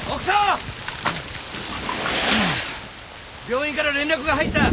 病院から連絡が入った。